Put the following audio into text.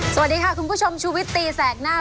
สวัสดีค่ะคุณผู้ชมชูวิตตีแสกหน้า